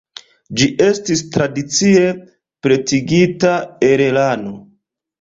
Ĝi estis tradicie pretigita el lano.